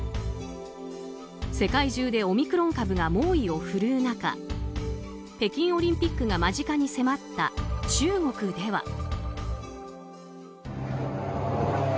世界中でオミクロン株が猛威を振るう中北京オリンピックが間近に迫った中国では。